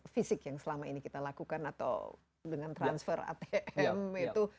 fisik yang selama ini kita lakukan atau dengan transfer atm itu